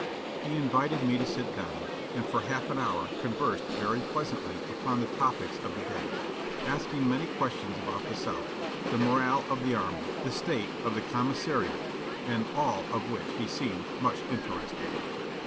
He invited me to sit down, and for half an hour conversed very pleasantly upon the topics of the day; asking many questions about the South, the morale of the army, the state of the commissariat, in all of which he seemed much interested.